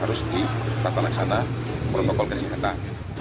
harus ditata laksana protokol kesehatan